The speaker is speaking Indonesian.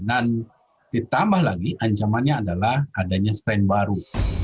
dan ditambah lagi ancamannya adalah adanya strain baru